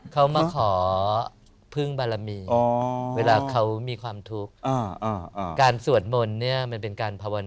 เขามาขอพึ่งบารมีเวลาเขามีความทุกข์